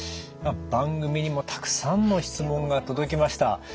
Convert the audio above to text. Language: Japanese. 番組にもたくさんの質問が届きました。